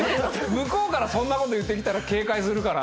向こうからそんなこと言って来たら警戒するかな。